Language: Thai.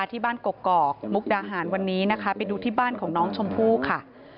ที่บ้านกกอกมุกดาหารวันนี้นะคะไปดูที่บ้านของน้องชมพู่ค่ะ